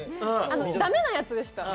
駄目なやつでした。